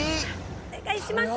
お願いします！